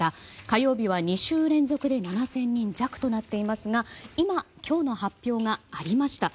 火曜日は２週連続で７０００人弱となっていますが今、今日の発表がありました。